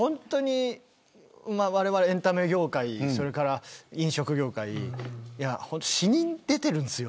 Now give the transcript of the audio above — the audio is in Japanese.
われわれエンタメ業界、それから飲食業界死人が出てるんですよ